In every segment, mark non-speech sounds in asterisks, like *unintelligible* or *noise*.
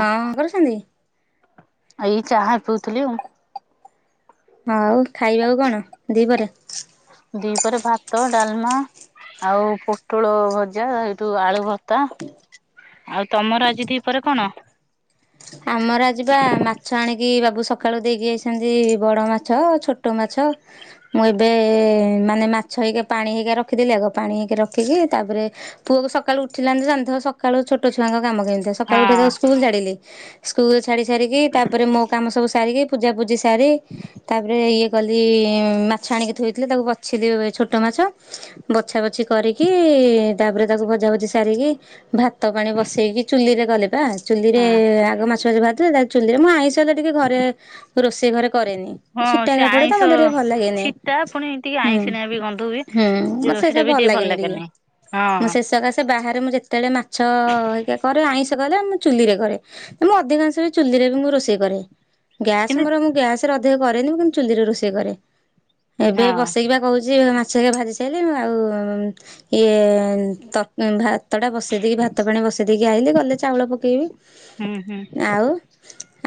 କଁ କରୁସନ୍ତି? ଆ ଏଇ ଚାହା ପିଉଥିଲି ଆଉ। ଆଉ ଖାଇବାକୁ କଣ ଦି ପହରେ? ଦି ପରେ ଭାତ ଡାଲ୍ ମା- ଆଉ ପୋଟଳ ଭଜା ସେଇଠୁ ଆଳୁ ଭର୍ତ୍ତା। ଆଉ ତମର ଆଜି ଦି ପହରେ କଣ? ଆମର ଆଜି ବା ମାଛ ଆଣି କି ବାବୁ ସକାଳୁ ଦେଇକି ଯାଇସନ୍ତି ବଡ ମାଛ ଛୋଟ ମାଛ- ମୁଁ ଏବେ ମାନେ ମାଛ ହେଇକା ପାଣି ହେଇକା ରଖିଦେଲିି ଆଗ ପାଣି ହେଇକା ରଖିକି ତାପରେ ପୁଅକୁ ସକାଳୁ ଉଠିଲାନି ତ ଜାଣିଥବ ସକାଳୁ ଛୋଟ ଛୁଆଙ୍କ କାମ କେମିତିଆ ହଁ। ସକାଳୁ ଉଠେଇ ତାକୁ ସ୍କୁଲ ଛାଡିଲି- ସ୍କୁଲ୍ ଛାଡ଼ିସାରିକି ତାପରେ ମୋ କାମ ସବୁ ସାରିକି ପୂଜାପୂଜି ସାରି ତାପରେ ଇଏ ଗଲି ମାଛ ଆଣିକି ଥୋଇଥିଲେ ତାକୁ ବାଛିଲି ଛୋଟ ମାଛ ବଛା ବାଛି କରିକି ତାପରେ ତାକୁ ଭଜା ଭଜି ସାରିକି ଭାତ ପାଣି ବସେଇକି ଚୁଲିରେ ଗଲିପା ଚୁଲିରେ ହଁ ଆଗ ମାଛ ଫାଛ ଭାଜି ଚୁଲିରେ ମୁଁ ଆଇଁଷ ଟା ଟିକେ ଘରେ ରୋଷେଇ ଘରେ କରେନି ହଁ ଛିଟା ସେ ହେରିଗା ଆଇଁଷ ପଡ଼େତ ମୋତେ ଟିକେ ଭଲ ଲାଗେନି। ଛିଟା ପୁଣି ଟିକେ ହୁଁ ଆଇଁଷିନାବି ଗନ୍ଧ ହୁଏ ହୁଁ ମତେ ଯୋ ସେ ସବୁ ସେଟାବି ଟିକେ ଭଲ ଲାଗେନି। ମୁଁ ହଁ ଶେସକାଶେ ବାହାରେ ମୁଁ ଯେତେବେଳେ ମାଛ ହେରିକା କରେ ଆଇଁଷ କଲେ ମୁଁ ଚୁଲିରେ କରେ। ମୁଁ ଅଧିକାଂଶବି ଚୁଲିରେବି ମୁଁ ରୋଷେଇ କରେ ଗ୍ୟାସ କିନ୍ତୁ ମୋର ମୁ ଗ୍ୟାସ୍ ଅଧିକ କରେନି ମୁଁ କିନ୍ତୁ ଚୁଲିରେ ରୋଷେଇ କରେ ଏବେ ହଁ ବସେଇକି କହୁଚି ମା ଛ ହେରିକା ଭାଜି ସାରିଲି ଆଉ ଇଏ ତର୍ ଭାତଟା ବସେଇ ଦେଇକି ଭାତ ପାଣି ବସେଇ ଦେଇକି ଆଇଲି ଗଲେ ଚାଉଳ ପକେଇବି। ହୁଁ ହୁଁ। ଆଉ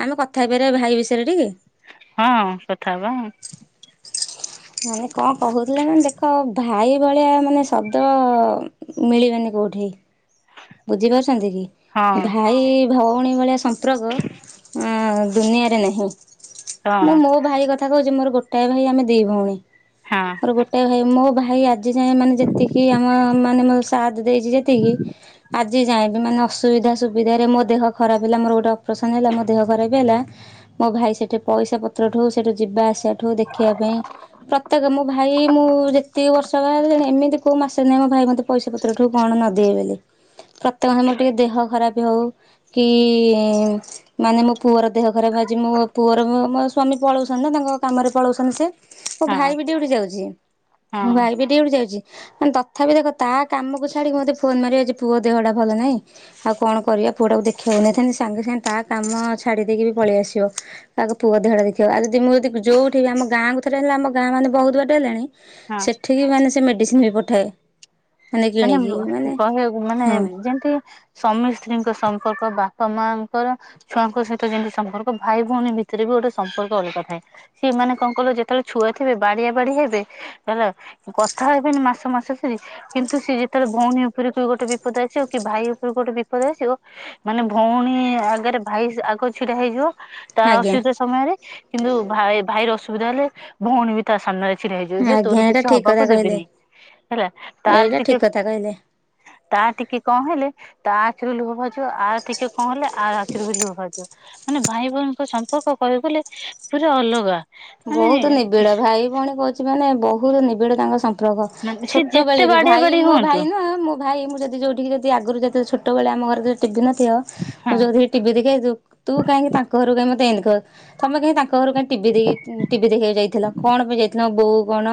ଆମେ କଥା ହେଇପାରିବା ଭାଇ ବିଷୟରେ ଟିକେ? ହଁ କଥା ହବା। ମାନେ କଁ କହୁଥିଲେ ମାନେ ଦେଖ ଭା ଭାଇ ଭଳିଆ ମାନେ ଶବ୍ଦ ମିଳିବେନି କୋଉଁଠି ବୁଝିପାରୁଚନ୍ତିକି ହଁ ଭା ଭାଇ ଭଉଣୀ ଭଳିଆ ସମ୍ପର୍କ ଅଁ ଦୁନିଆରେ ନାହିଁ ହଁ ମୁଁ ମୋ ମୋ ଭାଇ କଥା କହୁଚି ମୋର ଗୋଟାଏ ଭାଇ ଆମେ ଦି ଭଉଣୀ ହଁ ମୋର ଗୋଟାଏ ଭାଇ ମୋଭାଇ ଆ ଆଜି ଯାଏ ମାନେ ଯେତିକି ଆମ ମାନେ ମତେ ସାତ୍ ଦେଇଚି ଯେତିକି ଆଜି ଯାଏଁବି ମାନେ ଅସୁବିଧା ସୁବିଧାରେ ମୋ ଦେହ ଖରାପ୍ ହେଲା ମୋର ଗୋଟେ ଅପରେସନ୍ ହେଲା ମୋ ଦେହ ଖରାପ୍ ହେଲା ମୋ ଭାଇ ସେଠି ପଇସା ପତ୍ରଠୁ ସେଠି ଯିବା ଆସି ଠୁ ଦେଖିବା ପାଇଁ ପ୍ରତ୍ୟେକ ମୋ ଭାଇ ମୁଁ ଯେତିକି ବର୍ଷ *unintelligible* ଏମିତି କଉ ମାସ ନାହିଁ ମୋ ଭାଇ ମତେ ପଇସା ପତ୍ରଠୁ କଣ ନଦିଏ ବୋଲି। ପ୍ରତ୍ୟେକ *unintelligible* ମୋର ଟିକେ ଦେହ ଖରାପ୍ ହଉ କି ମାନେ ମୋ ପୁଅର ଦେହ ଖରାପ୍ ଆଜି ମୋ ପୁଅର ମୋ ସ୍ଵାମୀ ପଳଉଛନ୍ତିନା ତାଙ୍କ କାମରେ ପଳଉଛନ୍ତି ସେ ମୋ ହଁ ଭାଇବି ଡିଉଟି ଯାଉଚି ହଁ ମୋ ଭାଇବି ଡ଼ିଉଟି ଯାଉଚି ମାନେ ତ ତଥାପି ଦେଖ ତାକାମକୁ ଛାଡ଼ି ମୋତେ ଫୋନ୍ ମାରିବ ଆଜି ପୁଅ ଦେହଟା ଭଲ ନାହିଁ ଆଉ କଣ କରିବା ପୁଅଟାକୁ ଦେଖିବା ନେଇଥାନ୍ତି ସାଙ୍ଗେ ସାଙ୍ଗେ ତାକାମ ଛାଡ଼ି ଦେଇକିବି ପଳେଇ ଆସିବ। ତାକୁ ପୁଅ ଦେହଟା ଦେଖିବ ଆଉଦି ମୁଁ ଯଦି ଯୋଉଠି ଆମ ଗାଁକୁ ଥରେ ହେଲେ ଆମ ଗାଁ ମାନେ ବହୁତ୍ ବାଟ ହେଲାଣି ହଁ। ସେଠିକି ମାନେ ସେ ମେଡ଼ିସିନବି ପଠାଏ। ମାନେ କିଣିକି ମାନେ କହିବାକୁ ମାନେ ହଁ। ଯେମିତି ସ୍ୱାମୀ ସ୍ତ୍ରୀଙ୍କ ସମ୍ପର୍କ ବାପା ମା ଙ୍କର ଛୁଆଙ୍କ ସହିତ ଯେମିତି ସମ୍ପର୍କ ଭାଇ ଭଉଣୀ ଭିତରେବି ଗୋଟେ ସମ୍ପର୍କ ଅଲଗା ଥାଏ। ସିମାନେ କଣ କଇଁଲ ଯେତେବେଳେ ଛୁଆ ଥିବ ବାଡ଼ିଆ ବାଡ଼ି ହେବେ ହେଲା କଥା ହେବନି ମାସ ମାସ ସାରି କିନ୍ତୁ ସେ ଯେତେବେଳେ ଭଉଣୀ ଉପରକୁ ଗୋଟେ ବିପଦ ଆସିବ କି ଭାଇ ଉପରେ ଗୋଟେ ବିପଦ ଆସିବ ମାନେ ଭଉଣୀ ଆଗରେ ଭାଇ ଆଗ ଛିଡ଼ା ହେଇଯିବ ତା ଆଜ୍ଞା ଅସୁବିଧା ସମୟରେ କିନ୍ତୁ ଭାଇ ଭାଇର ଅସୁବିଧା ହେଲେ ଭଉଣୀବି ତାସାମ୍ନାରେ ଛିଡ଼ା ହେଇଯିବ ଯେ ଆଜ୍ଞା ତୋର ଏଇଟା କିଛି ଠିକ କଥା ହବାକୁ କହିଲେ ଦେବିନି ହେଲା। ତାର ଏଇଟା ଟିକେ ଠିକ କଥା କହିଲେ। ତାର ଟିକେ କଁ ହେଲେ ତା ଆଖିରୁ ଲୁହ ଭାରିଜିବ ଆର୍ ଟିକେ କଁ ହେଲେ ଆର ଆଖିରୁବି ଲୁହ ଭାରିଜିବ। ମାନେ ଭାଇ ଭଉଣୀଙ୍କ ସମ୍ପର୍କ କହିବାକୁ ଗଲେ ପୁରା ଅଲଗା। ମାନେ ବହୁତ୍ ନିବିଡ଼ ଭାଇ ଭଉଣୀ କହୁଚି ମାନେ ବହୁତ୍ ନିବିଡ଼ ତାଙ୍କ ସମ୍ ପ୍ରକ ମାନେ ସିଏ ଛୋଟ ଯେତେ ବେଳେବି ବାଡିଆ ଭାଇ ବାଡି ମୋ ହୁଅନ୍ତୁ ଭାଇ ନୁହଁ ମୋ ଭାଇ ମୁଁ ଯଦି ଯୋଉଠି ଯଦି ଆଗରୁ ଯେ ଛୋଟବେଳେ ଆମ ଘରେ ଯୋଉ ଟିଭି ନଥିବ ହଁ ମୁଁ ଯଉ ଭି ଟିଭି ଦେଖି ଆସିବୁ ତୁ କାହିଁକି ତାଙ୍କ ଘରକୁ କାଇଁ ମତେ ଏମିତି କହିବ ତମେ କାହିଁ ତାଙ୍କ ଘର କୁ ଟିଭି ଦେଖି ଟିଭି ଦେଖିବାକୁ ଯାଇଥିଲ କଣ ପାଇଁ ଯାଇଥିଲ ବୋଉ କଣ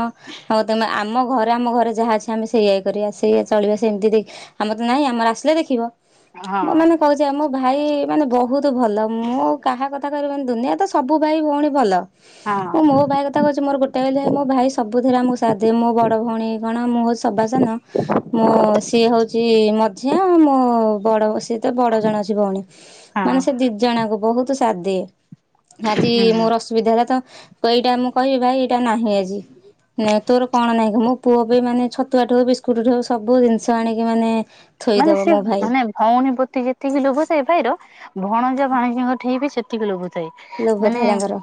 ଆଉ ତମେ ଆମ ଘର ଆମ ଘରେ ଯାହା ଅଛି ଆମେ ସେଇଆ କରିବା ସେଇୟଆ ଚଳିବା ସେମିତି ଆମ ତ ନାଇଁ ଆମର ଆସିଲେ ଦେଖିବ। ହଁ ମ ମାନେ କହୁଛି ଆ ମୋ ଭାଇ ମାନେ ବହୁତ ଭଲ ମୁଁ କାହା କଥା କହିବାନେ ଦୁନିଆ ତ ସବୁ ଭାଇ ଭଉଣୀ ଭଲ। ହଁ। ମୁଁ ମୋ ଭାଇ କଥା କହୁଛି ମୋର ଗୋଟେ ବୋଲି ଭାଇ ମୋ ଭାଇ ସବୁଥିରେ ଆମ କୁ ସାଥ ଦିଏ ମୋ ବଡ ଭଉଣୀ କଣ ମୁଁ ହଉଛି ସବାସାନ ମୋ ସିଏ ହଉଛି ମଝିଆ ମୋ ବଡ ବସେ ବଡ ଜଣ ଅଛି ଭଉଣୀ ହଁ ମାନେ ସେ ଦି ଜଣଙ୍କୁ ବହୁତ ସାତ୍ ଦିଏ। ଆଜି ହୁଁ ମୋର ଅସୁବିଧା ହେଲା ତ ଏଇଟା ମୁଁ କହିବି ଭାଇ ଏଇଟା ନାହିଁ ଆଜି। ନାଇଁ ତୋର କଣ ନାଇଁ ମୋ ପୁଅ ବି ମାନେ ଛତି ତୁଆଠୁ ହଉ ବିସ୍କୁଟ୍ ଠୁ ସବୁ ଜିନିଷ ଆଣିକି ମାନେ ମାନେ ଥୋଇଦବ ସେ ମୋ ଭାଇ ମାନେ ଭଉଣୀ ପତି ଯେତିକି ଲୋଭ ଥାଏ ଭାଇର ଭଣଜା ଭାଣଜୀଙ୍କ ଠେଇ ବି ସେ ତିକ ଲୋଭ ଥାଏ ଲୋଭ ମାନେ ଥାଏ ତାଙ୍କର।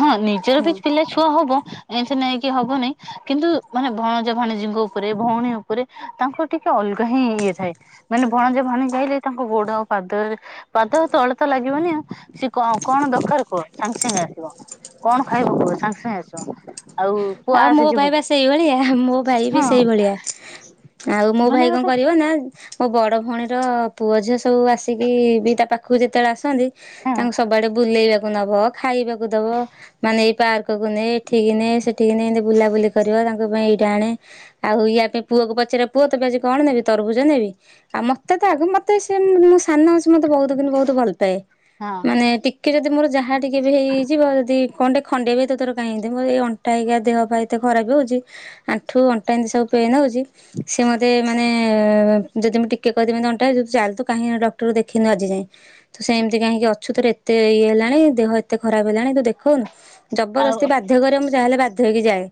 ହଁ ନିଜର ବି ପିଲା ଛୁଆ ହବ ଏମତି ନେଇକି ହବନିଁ କିନ୍ତୁ ମାନେ ଭଣଜା ଭାଣଜୀଙ୍କ ଉପରେ ଭଉଣୀ ଉପରେ ତାଙ୍କ ଟିକେ ଅଲଗା ହିଁ ଇଏ ଥାଏ ମାନେ ଭଣଜା ଭାଣିଜି ଆଇଲେ ତାଙ୍କ ଗୋଡ ଆଉ ପାଦରେ ପାଦ ତଳେ ତ ଲାଗିବନି ଆଉ ସି କ କଣ ଦରକାର କୁହ ସାଙ୍ଗେ ସାଙ୍ଗେ ଆସିବ। କଣ ଖାଇବ କୁହ ସାଙ୍ଗେ ସାଙ୍ଗେ ଆସିବ। ଆଉ ପୁଅ ଆଉ ମୋ ଆସେ ଯିବୁ ଭାଇ ବା ସେଇଭଳିଆ ମୋ ଭାଇ ବି ହଁ ସେଇଭଳିଆ। ଆଉ ମୋ ମାନେ ଭାଇ କଣ ଗୋଟେ କରିବ ନା, ମୋ ବଡ ଭଉଣୀର ପୁଅ ଝିଅ ସବୁ ଆସିକି ବି ତା ପାଖକୁ ଯେତେବେଳେ ଆସନ୍ତି। ହଁ ତାଙ୍କୁ ସବୁଆଡେ ବୁଲେଇବାକୁ ନବ, ଖାଇବାକୁ ଦବ, ମାନେ ଏଇ ପାର୍କ କକୁ ନେଏ ଏଠିକି ନେ ସେଠିକି ନ ନେଇ ଏ ବୁଲାବୁଲି କରିବା ତାଙ୍କ ପାଇଁ ଟା ଣେ ଆଉ ୟା ପାଇଁ ପୁଅକୁ ପଚାରିବା ପୁଅ ତମ ଆଜି କଣ ନେବି ତରଭୁଜ ନେବି? ଆଉ ମତେ ତ ଆଗ ମତେ ସେ ମୋ ସାନ ଅଛି ମତେ ବହୁତ କି ବହୁତ ଭଲ ପାଏ ହଁ ମାନେ ଟିକେ, କି ଯଦି ମୋର ଯାହା ଟିକେ ବି ହେଇଯିବ ଯଦି କଣ ଟେ ଖଣ୍ଡେଆ ବି ତର କହିଁ ଏମିତି ମୋର ଏଇ ଅନ୍ ଅଟା ହେଇକ ଦେହ ପା ଏତେ ଖରାପ ହଉଛି ଆଣ୍ଠୁ ଅଣ୍ଟା ଏମିତି ସବୁ ପେନ୍ ହଉଛି ସେ ମତେ ମାନେ ଯଦି ମୁଁ ଟିକେ କହିଦେମି ଅଣ୍ଟା ହୋଉଛି ଯଦି ଚାଲ କାହିଁକି ଡକ୍ଟରକୁ ଦେଖେଇନୁ ଆଜି ଯାଇଁ। ତୁ ସେମିତି କାହିଁକି ଅଛୁ ତୋରେ ଏତେ ଇଏ ହେଲାଣି ଦେହ ଏତେ ଖରାପ ହେଲାଣି ତୁ ଦେଖଉନୁ। ଆଉ ଜବରଦସ୍ତି ବାଧ୍ୟ୍ୟକରେ ମୁଁ ଜାହାହେଲେ ବାଧ୍ୟ ହୋଇକି ଯାଏ।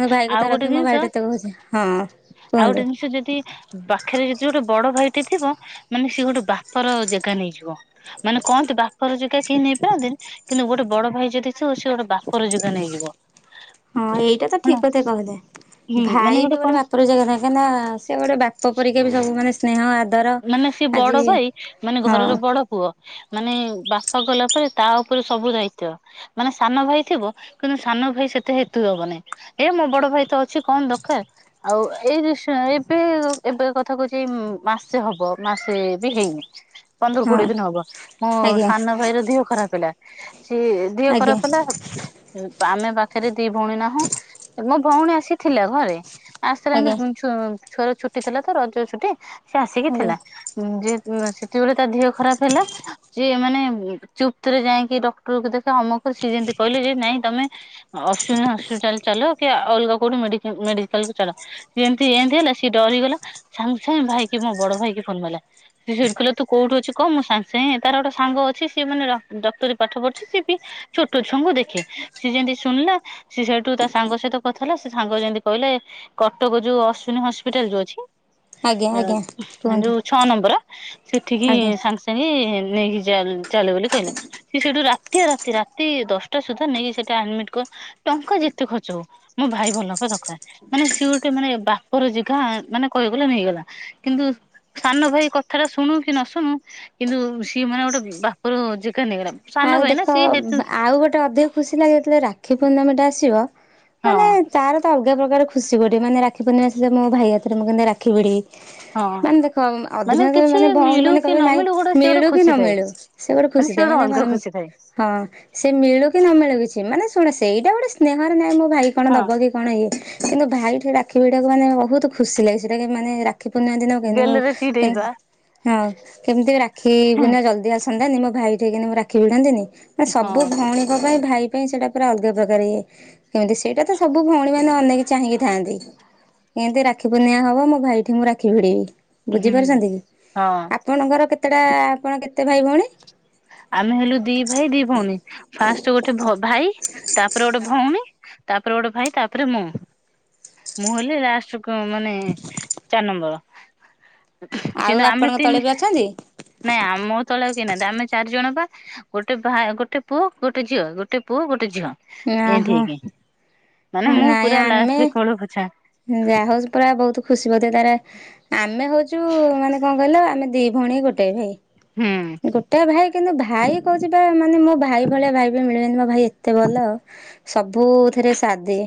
ମୋ ଭାଇ ଆଉ କଥା ଗୋଟେ ରଖିବି ମୋ ଭାଇ ଜିନିଷ ଟତେ କହୁଛି ହଁ ଆଉ ଗୋଟେ କୁହନ୍ତୁ। ଜିନିଷ ଯଦି ପାଖରେ ଯଦି ଗୋଟେ ବଡ ଭାଇଟେ ଥିବ ମାନେ ସିଏ ଗୋଟେ ବାପ ର ଜେଗା ନେଇଯିବ। ମାନେ କହନ୍ତି ବାପର ଯାଗା କେହି ନେଇପାରନ୍ତିନି କିନ୍ତୁ ଗୋଟେ ବଡ ଭାଇ ଯଦି ସିବୁ ସିଏ ଗୋଟେ ବା ପର ଯେଗ ନେଇଯିବ। ହଁ ଏଇଟା ତ ହେଲା ଠିକ କଥା କହିଲ ହୁଁ ମାନେ ଭାଇ ବି ଗୋଟେ କଣ ବାପ ର ଜାଗା କାଁଇଁ ନା ସେ ଗୋଟେ ବାପ ପରିକା ବି ସବୁ ମାନେ ସ୍ନେହ ଆଦର ମାନେ ସିଏ ଆଜି ବଡ ଭାଇ ମାନେ ହଁ ଘରର ବଡ ପୁଅ। ମାନେ ବାପା ଗଲା ପରେ ତା ଉପରେ ସବୁ ଦାୟିତ୍ଵ। ମାନେ ସାନ ଭାଇ ଥିବ କିନ୍ତୁ ସାନ ଭାଇ ସେତେ ହେତୁ ଦବନାଇଁ। ଏ ମୋ ବଡ ଭାଇ ତ ଅଛି କଣ ଦରକାର। ଆଉ ଏଇ ଏବେ ଏବେ କଥା କହୁଛି ଏଇ ମା ସେ ହବ ମାସେ ବି ହେଇନି। ପନ୍ଦର କୋଡିଏ ହଁ ଦିନ ହବ ମୋ ଆଜ୍ଞା ସାନ ଭାଇର ଦିହ ଖରାପ ହେଲା। ସିଏ ଦିହ ଆଜ୍ଞା ଖରାପ ପ *unintelligible* ଆମେ ବା ପାରେ ଦି ଭଉଣୀ ନାହୁଁ ମୋ ଭଉଣୀ ଆସିଥିଲା ଘରେ ଆସାର ଆଜ୍ଞା ଏମତି ଛୁଆର ଛୁଟି ଥିଲା ତ ରଜ ଛୁଟି ସେ ଆସିକି ଆଜ୍ଞା ଥିଲା। ଯେ ସେତବେଳେ ତା ଦେହ ଖରାପ ହେଲା ସିଏ ମାନେ ଚୁପ୍ତରେ ଯାଇକି ଡକ୍ଟର କ ଦେଖ ଅମକ ସିଏ ଯେମିତି କହିଲେ ଯେ ନାଇଁ ତମେ ଅଶ୍ୱିନୀ ହସ୍ପିଟାଲ ଚାଲ କି ଅଲଗା କୋଉଠି ମେଡିକାଲ କୁ ଚାଲ। ଯେମିତି ଏମିତି ହେଲା ସିଏ ଡରିଗଲା ସାଙ୍ଗେ ସାଙ୍ଗେ ଭାଇକି ମୋ ବଡ ଭାଇକି ଫୋନ କଲା। ସେ ଶ କ ତୁ କୋଉଠି ଅଛି କଣ ମୁଁ ସାଙ୍ଗେ ସାଙ୍ଗ ତାର ଗୋଟେ ସାଙ୍ଗ ଅଛି ସିଏ ମାନେ ଡକ୍ଟରୀ ପାଠ ପଢୁଛି ସିଏ ବି ଛୋଟ ଛୁଙ୍କୁ ଦେଖେ ସେ ଯେମତି ଶୁଣିଲା ସେ ସେଇଠୁ ତା ସାଙ୍ଗ ସହିତ କଥା ହେଲା ସେ ସାଙ୍ଗ ଯେମିତି କହିଲେ କଟକ ଯୋଉ ଅଶ୍ଵିନୀ ହସ୍ପିଟାଲ ଯୋଉ ଅଛି ଆଜ୍ଞା ଆଜ୍ଞା। କୁହନ୍ତୁ ଯୋଉ ଛଅ ନମ୍ବର ସେଠିକି ଆଜ୍ଞା। ସାଙ୍ଗେ ସାଙ୍ଗେ ନେଇକି ଚାଲେ ବୋଲି କହିଲେ ସେ ସେଇଠୁ ରାତି ରାତି ରାତି ଦଶଟା ସୁଦ୍ଧା ନେଇକି ସେଟା ଆଡମିଟ କର ଟଙ୍କା ଯେତେ ଖର୍ଚ୍ଚ ହଉ ମୋ ଭାଇ ଭଲ ହବା ଦରକାର। ମାନେ ସିଏ ଗୋଟେ ମାନେ ବାପର ଜଗା ମାନେ କହିଗଲେ ନେଇଗଲା। କିନ୍ତୁ ସାନ ଭାଇ କଥାଟା ଶୁଣୁ କି ନ ଶୁଣୁ କିନ୍ତୁ ସିଏ ମାନେ ଗୋଟେ ବାପର ଜେଗା ନେଇଗଲା। ସାନ ଆଉ ଭାଇ ନା ଦେଖ ସିଏ ହେତୁ ଆଉ ଗୋଟେ ଅଧିକ ଖୁସି ଲାଗେ ଯେତେବେଳେ ରାକ୍ଷୀ ପୂର୍ଣ୍ଣିମା ଟା ଆସିବ ହଁ ମାନେ ତାର ତ ଅଲଗା ପ୍ରକାର ଖୁସି ଗୋଟେ ମାନେ ରାଖୀ ପୂର୍ଣିମା ସେ ମୋ ଭାଇ ହାତରେ ମୁଁ କେମିତି ରାକ୍ଷୀ ଭିଡ଼ିବି। ହଁ। ମାନେ ଦେଖ ଅଧିକା କିଛି ମାନେ ଭଉଣୀ ମିଳୁ ମାନେ କି କହିବେ ନ ନାଇଁ ମିଳୁ ଗୋଟେ ସିଏ ଗୋଟେ ମିଳୁ କି ଖୁସି ନ ଥାଏ ମିଳୁ ସେ ଗୋଟେ ଖୁସି ସିଏ ଥାଏ ଗୋଟେ ମାନେ ଅଲଗା କଣ ଖୁସି ଥାଏ। ହଁ ସେ ମିଳୁ କି ନ ମିଳୁ କିଛି ମାନେ ଶୁଣ ସେଇଟା ଗୋଟେ ସ୍ନେହରେ ନାହିଁ ମୋ ଭାଇ କଣ ହଁ ଦବ କି? କଣ ଇଏ କିନ୍ତୁ ଭାଇ ରାକ୍ଷୀ ଭିଡ଼ାକୁ ମାନେ ବହୁତ ଖୁସି ଲାଗେ ସେଟା ମାନେ ରା ରାକ୍ଷୀ ପୂର୍ଣିମା ଦିନ ଗେଲରେ କେମତି ଚିଡେଇବା ହଁ କେମିତି ରାକ୍ଷୀ ହୁଁ ପୂଣ୍ଣି ଜଲଦି ଆସ ସନ୍ଧ୍ୟାନ ମୋ ଭାଇ କି ରାକ୍ଷୀ ଭିଡ଼ନ୍ତିନି ସବୁ ହଁ ଭଉଣୀଙ୍କ ପାଇଁ ଭାଇ ପାଇଁ ସେଇଟା ପୁରା ଅଲଗା ପ୍ରକାର ଇଏ କେମିତି ସେଇଟା ତ ସବୁ ଭଉଣୀ ମାନେ ଅନେଇକି ଚାହିଁକି ଥାନ୍ତି। ଏମିତି ରାକ୍ଷୀ ପୂର୍ଣ୍ଣିମା ହବ ମୋ ଭାଇ ଠି ମୁଁ ରାକ୍ଷୀ ଭିଡିବି। ବୁଝିପାରୁଛନ୍ତି କି ଆପଣଙ୍କର କେତେଟା ଆପଣ କେତେ ଭାଇ ଭଉଣୀ? ଆମେ ହେଲୁ ଦି ଭାଇ ଦି ଭଉଣୀ ଫାଷ୍ଟ ଗୋଟେ ଭାଇ ତାପରେ ଗୋଟେ ଭଉଣୀ ତାପରେ ଗୋଟେ ଭାଇ ତାପରେ ମୁଁ। ମୁଁ ହେଲି ଲାଷ୍ଟ ମାନେ ଚାରି ନମ୍ବର। ଆଉ କିନ୍ତୁ ଆମେ ଆପଣଙ୍କ ତଳେ ତିନି ବି ଅଛନ୍ତି? ନାଇଁ ମୋ ତଳେ ଆଉ କେହି ନାହାନ୍ତି ଆମେ ଚାରି ଜଣ ବା ଗୋଟେ ଭା ଗୋଟେ ପୁଅ ଗୋଟେ ଝିଅ ଗୋଟେ ପୁଅ ଗୋଟେ ଝିଅ। ଏମିତି ଓହୋ। ହେଇକି ମାନେ ମୁଁ ନାଇଁ ପୁରା ଆମେ ଲାଷ୍ଟ କୋଳ ପୁଛା। ଯାହା ହଉଛି ପୁରା ବହୁତ ଖୁସି ବୋଧେ ତାର ଆମେ ହଉଛୁ ମାନେ କଣ କହିଲ ଆମେ ଦି ଭଉଣୀ ଗୋଟେ ଭାଇ। ହୁଁ। ଛୋଟିଆ ଭାଇ କିନ୍ତୁ ଭାଇ କହୁଛିଥିବା ମାନେ ମୋ ଭାଇ ଭଳିଆ ଭାଇ ବି ମିଳିବେନି ମୋ ଭାଇ ଏତେ ଭଲ ଆଉ। ସବୁଥିରେ ସାଥ ଦିଏ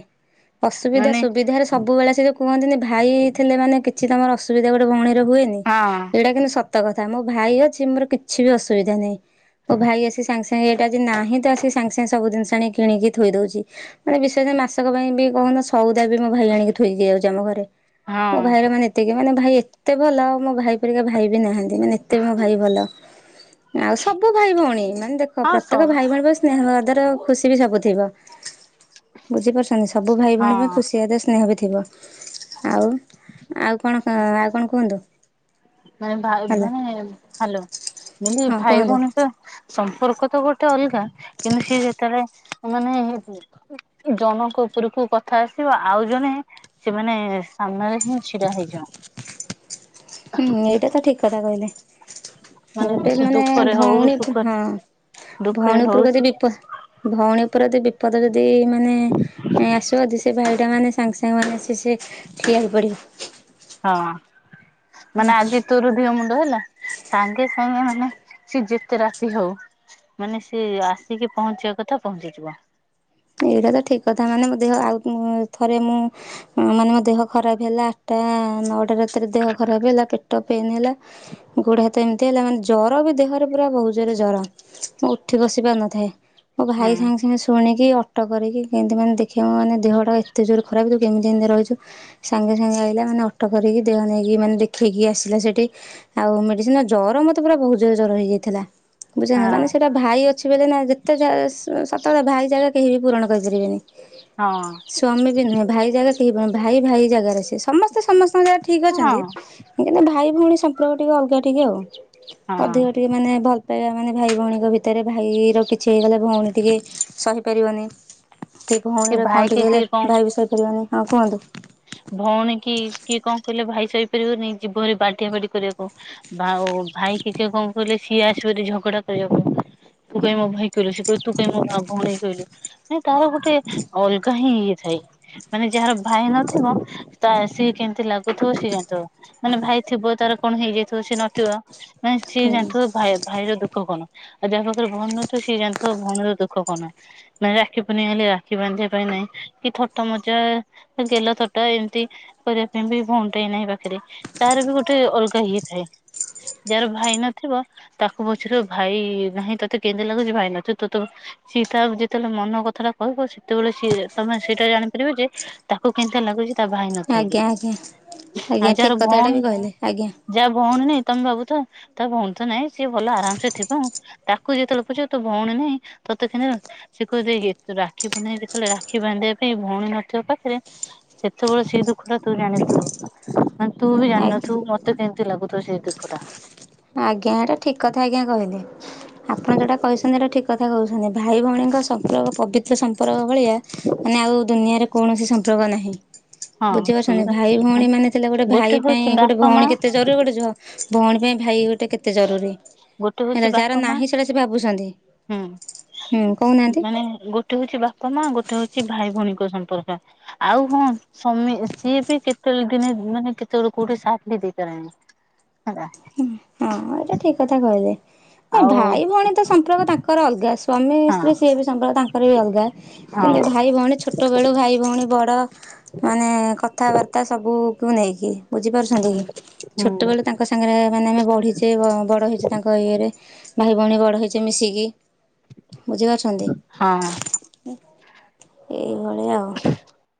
ଅସୁବିଧା ମାନେ ସୁବିଧାରେ ସବୁବେଳେ ସେ ଯୋଉ କୁହନ୍ତି ଭାଇ ଥିଲେ ମାନେ କିଛି ତୁମର ଅସୁବିଧା ଗୋଟେ ଭଉଣୀରେ ହୁଏନି। ହଁ ଏଇଟା କିନ୍ତୁ ସତ କଥା ମୋ ଭାଇ ଅଛି ମୋର କିଛି ବି ଅସୁବିଧା ନାହିଁ। ମୋ ଭାଇ ଆସି ସାଙ୍ଗେ ସାଙ୍ଗେ ଏଇଟା ଯଦି ନାହିଁ ତ ଆସି ସାଙ୍ଗ ସାଙ୍ଗେ ସବୁ ଜିନିଷ ଆଣି କିଣିକି ଥୋଇ ଦଉଛି। ମାନେ ବିଶେଷ ମାସକ ପାଇଁ ବି କହୁନ ସଉଦା ବି ଭାଇ ଆଣିକି ଥୋଇକି ଯାଉଛି ଆମ ଘରେ ହଁ ମୋ ଭାଇର ମାନେ। ଏତିକି ମାନେ ଭାଇ ଏତେ ଭଲ ଆଉ ମୋ ଭାଇ ପରିକା ଭାଇ ବି ନାହାନ୍ତି ମାନେ। ଏତେ ମୋ ଭାଇ ଭଲ ଆଉ ସବୁ ଭାଇ ଭଉଣୀ ମାନେ ଦେଖ ହଁ ପ୍ରତ୍ୟେକ ସବୁ ଭାଇ ଭଉଣୀ ବ ଧର ଖୁସି ବି ସବୁ ଥିବ ବୁଝିପାରୁଛନ୍ତି ସବୁ ଭାଇ ଭଉଣୀ ପାଇଁ ହଁ ଖୁସି। ସିଏ ତ ସ୍ନେହ ବି ଥିବ ଆଉ ଆଉ କଣ ଆଉ କଣ କୁହନ୍ତୁ। ମାନେ ଭାଇ ହେଲା ଭଉଣୀ ହ୍ୟାଲୋ ମୁଁ କହିଲି ହଁ ଭାଇ କୁହନ୍ତୁ। ଭଉଣୀ ତ। ସମ୍ପର୍କ ତ ଗୋଟେ ଅଲଗା କିନ୍ତୁ ସିଏ ଯେତେବେଳେ ମାନେ ଜଣଙ୍କ ଉପରକୁ କଥା ଆସିବ ଆଉ ଜଣେ। ସେମାନେ ସାମ୍ନାରେ ହିଁ ଛିଡା ହେଇଯିବ। ହୁଁ ଏଇଟା ତ ଠିକ କଥା କହିଲେ। ଗୋଟେ ସେ ମାନେ ଦୁଃଖରେ ହଉ ଭଉଣୀ ସୁଖରେ ହଁ ଦୁଃଖରେ ଭଉଣୀ ହଉ ଉପରକୁ ଯଦି ବିପଦ ଭଉଣୀ ଉପରେ ଯଦି ବିପଦ ଯଦି ମାନେ ଆସିବ ସେ ଭାଇଟା ମାନେ ସାଙ୍ଗେସଙ୍ଗେ ସେମାନେ ସିଏ ସେ ଠିଆ ହେଇ ପଡ଼ିବ। ହଁ ମାନେ ଆଜି ତୋର ଦିହ ମୁଣ୍ଡ ହେଲା। ସାଙ୍ଗେ ସାଙ୍ଗେ ମାନେ ସିଏ ଯେତେ ରାତି ହଉ। ମାନେ ସିଏ ଆସିକି ପହଞ୍ଚିବା କଥା ପହଞ୍ଚିଯିବ। ଏଇଟା ତ ଠିକ କଥା ମାନେ ମୋ ଦେହ ଆଉ ଥରେ ମୁଁ ମାନେ ମୋ ଦେହ ଖରାପ ହେଲା ଆଠଟା ନଅଟା ରାତି। ରେ ଦେହ ଖରାପ ହେଲା ପେଟ ପେନ୍ ହେଲା ଗୋଡ ହାତ ଏମତି ଏତେ ହେଲା ମାନେ ଜ୍ୱର ବି ଦେହରେ ପୁରା ବହୁତ ଜୋରେ ଜ୍ୱର। ମୁଁ ଉଠି ବସି ପାରୁନଥାଏ ମୋ ହୁଁ ଭାଇ ସାଙ୍ଗେ ସାଙ୍ଗେ ଶୁଣିକି ଅଟୋ କରିକି କେମତି ମାନେ ଦେଖ ଦେଖେଇବ ମାନେ ଦେହଟା ଏତେ ଜୋରେ ଖରାପ ତୁ କେମିତି ଏମିତି ରହିଛୁ। ସାଙ୍ଗେ ସାଙ୍ଗେ ଆଇଲା ମାନେ ଅଟୋ କରିକି ଦେହ ନେଇକି ମାନେ ଦେଖେଇକି ଆସିଲା ସେଠି। ଆଉ ମେଡ଼ିସିନ ଜ୍ୱର ମୋତେ ପୁରା ବହୁତ ଜୋରେ ଜ୍ୱର ହେଇଯାଇଥିଲା। ବୁଝୁଚ ହଁ ମାନେ ସେଇଟା ଭାଇ ଅଛି ବ ନା ଯେତେ ସତ କଥା ଭାଇ ଜାଗା କେହି ବି ପୂରଣ କରିପାରିବେନି। ହଁ। ସ୍ୱାମୀ ବି ନୁହେଁ ଭାଇ ଜାଗାରେ ସେହି ଭାଇ ଭାଇ ଜାଗାରେ ସେ ସମସ୍ତେ ସମସ୍ତଙ୍କ ଜାଗାରେ ଠିକ୍ ହଁ ଅଛନ୍ତି। ଭାଇ ଭଉଣୀ ସମ୍ପର୍କ ଟିକେ ଅଲଗା ଟିକେ ଆଉ ହଁ। ଅଧିକ ଟିକେ ମାନେ ଭଲ ପାଇବା ମାନେ ଭାଇ ଭଉଣୀଙ୍କ ଭିତରେ ଭାଇ ର କିଛି ହେଇଗଲା ଭଉଣୀ ଟିକେ ସହି ପାରିବନି ଟିକେ ସେ ଭଉଣୀରେ କଣ ଭାଇ କି ଟିକେ ହେଲେ କିଏ କଣ ଭାଇ ଭି ସହିପାରିବନି ହଁ କୁହନ୍ତୁ। ଭଉଣୀ କି କିଏ କଣ କହିଲେ ଭାଇ ସହିପାରିବନି ଯୀବଭାରି ବାଡିଆ ବାଡି କରିବାକୁ। ବା ଆଉ ଭାଇ କିିଏ କଣ କହିଲେ ସିଏ ଆସିବ ଝଗଡା କରିବାକୁ। ତୁ କାଇ ମୋ ଭାଇ କିହିଲୁ ସେ କହିବ ତୁ କାଇ ମୋଁ ଭଉଣି କୁ କହିଲୁ। ମାନ ତାର ଗୋଟେ ଅଲଗା ହିଁ ଇଏ ଥାଏ ମାନେ ଯାହାର ଭାଇ ନ ସିଏ କେମିତି ଲାଗୁଥିବ ସିଏ ଜାଣିଥବ। ମାନେ ଭାଇ ଥିବ ତାର କଣ ହେଇଯାଇଥିବ ସିଏ ନଥିବ ମାନେ ସିଏ ଜାଣିଥିବ ଭାଇ ଭାଇର ଦୁଃଖ କଣ ଆ ଯାହା ପାଖରେ ଭଉଣୀ ନଥିବା ସିଏ ଜାଣିଥିବ ଭଉଣୀର ଦୁଃଖ କଣ। ମାନେ ରାକ୍ଷୀ ପୂର୍ଣ୍ଣିମା ହେଲେ ରାକ୍ଷୀ ବାନ୍ଧିବା ପାଇଁ ନାଇଁ କି ଛୋଟ ମଜା ଗେଲ ଟା ଏମିତି କରିବା ପାଇଁ ବି ଭଉଣି ଟେ ହେଇ ନାହିଁ ପାଖରେ ତାର ବି ଗୋଟେ ଅଲଗା ହେଇଥାଏ। ଯାହାର ଭାଇ ନଥିବ। ତାକୁ ପଚାରିବା ଭାଇ ନାହିଁ ତୋତେ କେମିତି ଲାଗୁଛି ଭାଇ ନଥିବ ତୋତେ ସିଏ ତା ଯେତେବେଳେ ମନ କଥାଟା କହିବ ସେତେବେଳେ ସିଏ ତମେ ସେଇଟା ଜାଣିପାରିବ ଯେ ତାକୁ କେ ଏତେ ଲାଗୁଛି ତା ଭାଇ ନଥାଇକି ଆଜ୍ଞା ଆଜ୍ଞା ଆଉ ଆଜ୍ଞା ଯହାର ଠିକ୍ କଥାଟା ବି ଭଉଣୀ କହିଲେ ଆଜ୍ଞା ଯାହା ଭଉଣୀ ନାଇ ତମେ ଭାବୁଥିବ ତା ଭଉଣୀ ତ ନାଇଁ ସିଏ ଭଲ ଆରାମସେ ଥିବ ଆଉ। ତାକୁ ଯେତେବେଳେ ପଚାରିବ ତୋ ଭଉଣୀ ନାହିଁ ତତେ କେ ସେ କହୁଥିବ ରାକ୍ଷୀ ପୁର୍ଣିମା ଦିନ ଯେତେବେଳେ ରାକ୍ଷୀ ବାନ୍ଧିବା ପାଇଁ ଭଉଣୀ ନଥିବ ପାଖରେ। ସେତେବେଳେ ସେ ଦୁଃଖ ଟା ତୁ ଜାଣିଥିବୁ। ମାନେ ତୁ ବି ଆଜ୍ଞା। ଜାଣିନଥିବୁ ମ ତେ କେମତି ଲାଗୁଥିବ ସେ ଦୁଃଖ ଟା। ଆଜ୍ଞା। ହେଟା ଠିକ୍ କଥା ଆଜ୍ଞା କହିଲେ। ଆପଣ ଯେଉଟା କହିଛନ୍ତି ସେଇଟା ଠିକ୍ କଥା କହୁଛନ୍ତି। ଭାଇ ଭଉଣୀଙ୍କ ସମ୍ପର୍କ ପବିତ୍ର ସମ୍ପର୍କ ଭଳିଆ ମାନେ ଆଉ ଦୁନିଆରେ କୌଣସି ସମ୍ପର୍କ ନାହିଁ। ହଁ ସିଏ ବୁଝିପାରୁଛନ୍ତି, ଭାଇ ଭଉଣୀ ମାନେ ଥିଲେ ଗୋଟେ ଭାଇ ପାଇଁ ହଉଛି ଗୋଟେ ବାପା ମା ଭଉଣୀ କେତେ ଜରୁରୀ ଗୋଟେ ଝ ଭଉଣୀ ପାଇଁ ଭାଇ ଗୋଟେ କେତେ ଜରୁରୀ। ଗୋଟେ ହଉଛି ହେଲା ଯାହାର ବାପା ମା ନାହିଁ ସେଟା ସେ ଭାବୁଛନ୍ତି। ହୁଁ। ମାନେ ଗୋଟେ ହଉଛି ବାପା ମା ଗୋଟେ ହଉଛି ଭାଇ ଭଉଣୀଙ୍କ ସମ୍ପର୍କ। ଆଉ ହଁ ସ୍ୱାମୀ ସିଏ ବି କେତେବେଳେ ଦିନେ ମାନେ କେତେବେଳେ କୋଉଠି ସାଥ ବି ଦେଇପାରେନି। *unintelligible* ହଁ, ଏଇଟା ଠିକ୍ କଥା କହିଲେ। ନାଇ ଆଉ ଭାଇ ଭଉଣୀ ତ ସମ୍ପର୍କ ତାଙ୍କର ଅଲଗା। ସ୍ଵାମୀ ହଁ ସ୍ତ୍ରୀ ସିଏ ବି ସମ୍ପର୍କ ତାଙ୍କର ବି ଅଲଗା। ହେଲେ ହଁ ଭାଇ ଭଉଣୀ ଛୋ ଛୋଟବେଳୁ ଭାଇ ଭଉଣୀ ବଡ଼, ମାନେ କଥାବାର୍ତ୍ତା ସବୁକୁ ନେଇକି। ବୁଝିପାରୁଛନ୍ତି କି? ହୁଁ ଛୋଟବେଳୁ ତାଙ୍କ ସାଙ୍ଗରେ ମାନେ ଆମେ ବଢ଼ିଛେ ବଡ଼ ହେଇଚେ ତାଙ୍କ ଇଏରେ। ଭାଇ ଭଉଣୀ ବଡ଼ ହେଇଚେ ମିଶିକି। ବୁଝିପାରୁଛନ୍ତି? ହଁ। ଏଇଭଳି ଆଉ।